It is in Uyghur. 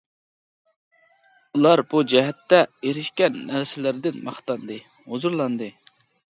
ئۇلار بۇ جەھەتتە ئېرىشكەن نەرسىلىرىدىن ماختاندى، ھۇزۇرلاندى.